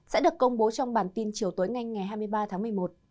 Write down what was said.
sẽ được công bố trong bản tin chiều tối nganh ngày hai mươi ba tháng một mươi một